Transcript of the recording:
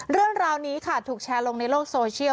เรื่องราวนี้ค่ะถูกแชร์ลงในโลกโซเชียล